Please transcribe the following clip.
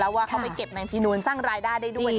ว่าเขาไปเก็บแมงจีนูนสร้างรายได้ได้ด้วย